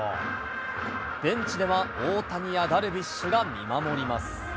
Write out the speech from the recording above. ベンチでは、大谷やダルビッシュが見守ります。